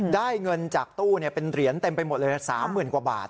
ได้เงินจากตู้เนี่ยเป็นเหรียญเต็มไปหมดเลยสามหมื่นกว่าบาท